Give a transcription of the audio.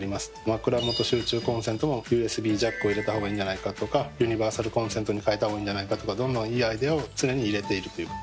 枕元集中コンセントもＵＳＢジャックを入れた方がいいんじゃないかとかユニバーサルコンセントに替えた方がいいんじゃないかとかどんどんいいアイデアを常に入れているという。